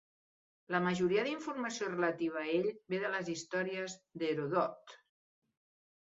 La majoria d'informació relativa a ell ve de "Les històries", d'Heròdot.